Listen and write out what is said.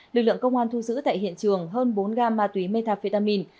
lực lượng công an thu giữ tại hiện trường hơn bốn gam ma túy metafetamin